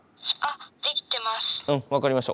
うん分かりました。